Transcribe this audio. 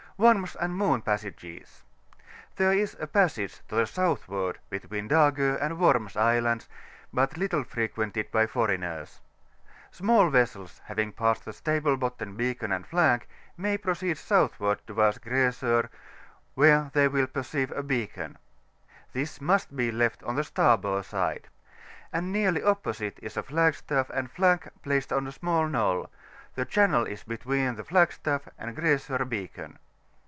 . WORMS Ain> MOON PASSAGES.— There is a passage to the southward between Dago and Worms Islands, but little frequented by foreigners. Small vessels having passed the Staple Botten Beacon and iiag, mav proceed southward towards Grasor, where they will perceive a beacon; this must be left on the starboard side: and nearly opposite is a flagstaff* and flag placed on a small knoll: the channel is between the flagst^ and Grasor Beacon.